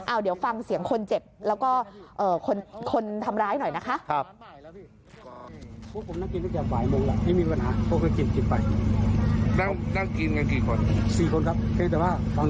เดี๋ยวฟังเสียงคนเจ็บแล้วก็คนทำร้ายหน่อยนะคะ